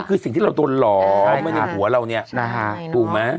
นั่นคือสิ่งที่เราโดนหลอมในหัวเราเนี่ยถูกมั้ย